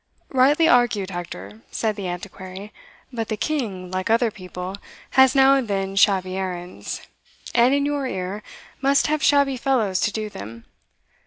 "Rightly argued, Hector," said the Antiquary; "but the king, like other people, has now and then shabby errands, and, in your ear, must have shabby fellows to do them.